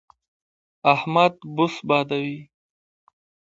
احمد بوس بادوي.